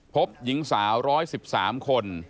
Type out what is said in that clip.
พบหญิงสาว๑๑๓คน